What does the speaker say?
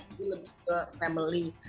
itu lebih ke family